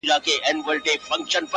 عزراییل دي ستا پر عقل برابر سي!.